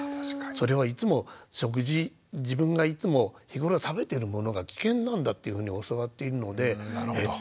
それはいつも食事自分がいつも日頃食べてるものが危険なんだっていうふうに教わっているのでえっ